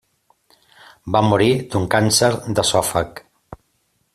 Va morir d'un càncer d'esòfag.